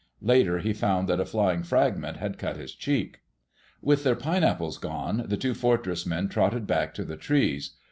Later he found that a flying fragment had cut his cheek. With their "pineapples" gone, the two Fortress men trotted back to the trees.